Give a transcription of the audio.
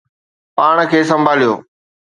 پاڻ کي سنڀاليو